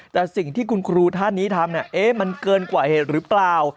แต่สิ่งที่คุณครูท่านนี้ทำมันเกินกว่าเหตุหรือเปล่า